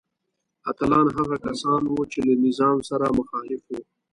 اتلان هغه کسان وو چې له نظام سره مخالف وو.